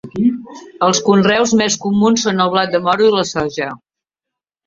Els conreus més comuns són el blat de moro i la soja.